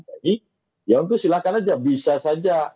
jadi ya untuk silakan saja bisa saja